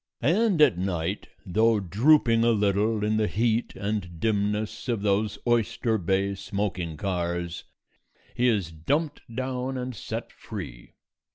And at night, though drooping a little in the heat and dimness of those Oyster Bay smoking cars, he is dumped down and set free.